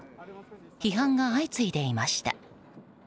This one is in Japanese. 批判が相次いでいました。